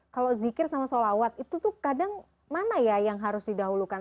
kalau zikir sama solawat itu tuh kadang mana ya yang harus didahulukan